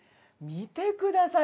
見てください